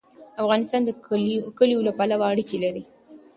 افغانستان د کلیو له پلوه اړیکې لري.